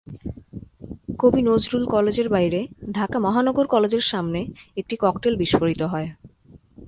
কবি নজরুল কলেজের বাইরে ঢাকা মহানগর কলেজের সামনে একটি ককটেল বিস্ফোরিত হয়।